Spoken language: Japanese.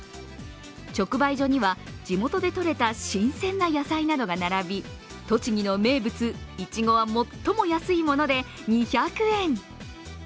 直売所には、地元で取れた新鮮な野菜などが並び栃木の名物、いちごは最も安いもので２００円。